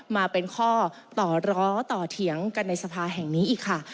มาเป็นข้อต่อร้อต่อเถียงกันในสภาแห่งนี้อีกค่ะ